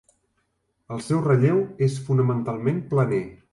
El seu relleu és fonamentalment planer.